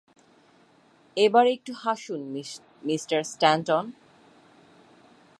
এবার একটু হাসুন, mister Stanton.